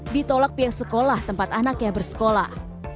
ditolak pihak sekolah tempat anak yang bersekolah